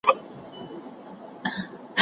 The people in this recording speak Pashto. د نورو د غولولو فکر له خپل ذهنه وباسئ.